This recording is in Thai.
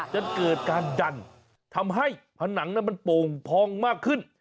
จนเกิดการดันทำให้ผนังนั้นมันโป่งพองมากขึ้น